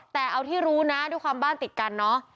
แต่เอาที่รู้นะด้วยความบ้านติดกันเนอะ